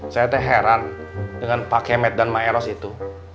saya terheran dengan pak kemet dan maeros itu